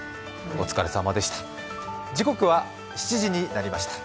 お疲れさまでした。